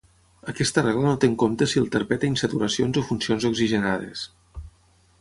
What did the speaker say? Aquesta regla no té en compte si el terpè té insaturacions o funcions oxigenades.